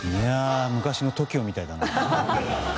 昔のＴＯＫＩＯみたい。